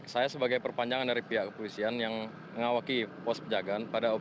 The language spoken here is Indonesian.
saya sebagai perpanjangan dari pihak kepolisian yang mengawaki pos penjagaan